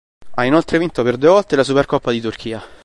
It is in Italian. Ha inoltre vinto per due volte la Supercoppa di Turchia.